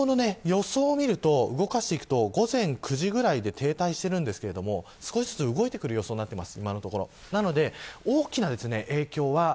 雨雲の予想を見ると午前９時くらいで停滞しているんですけれども少しずつ動いてくる予想になっています